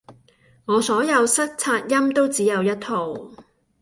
我所有塞擦音都只有一套